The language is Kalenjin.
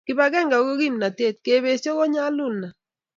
kibagenge ko kimnatet, kabesie ko nyalulnat